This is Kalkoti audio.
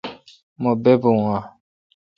مہبےبوں آں؟